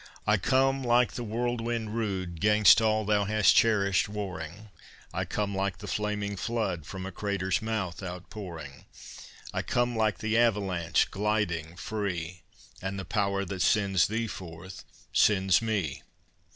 "I come like the whirlwind rude, 'Gainst all thou hast cherished warring; I come like the flaming flood From a crater's mouth outpouring; I come like the avalanche gliding free And the Power that sent thee forth, sends me!